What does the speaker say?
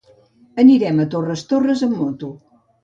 Anirem a Torres Torres amb moto.